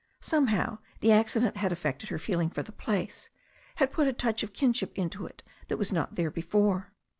Somehow the accident had affected her feeling for the place, had put a touch of kinship into it that was not there before.